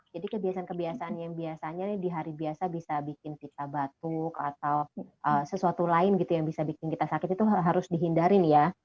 jadi kebiasaan kebiasaan yang biasanya di hari biasa bisa bikin kita batuk atau sesuatu lain yang bisa bikin kita sakit itu harus dihindari ya